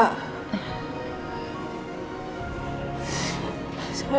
saya periksa dulu ya